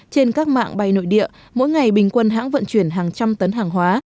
trên các mạng bay nội địa mỗi ngày bình quân hãng vận chuyển hàng trăm tấn hàng hóa